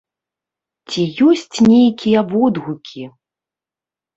Ці ёсць нейкія водгукі?